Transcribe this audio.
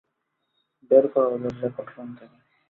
বের করো ওদের রেকর্ড রুম থেকে।